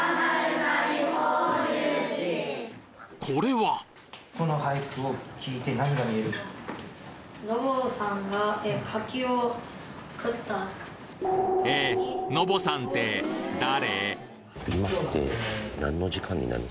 これは？えのぼさんって誰？